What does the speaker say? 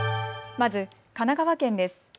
まず、神奈川県です。